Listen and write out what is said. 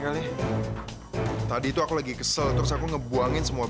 kalau saya sudah berani membaru hari ini ke atas tempat berusaha